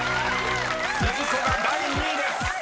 ［「筋子」が第２位です］